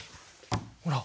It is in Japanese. ほら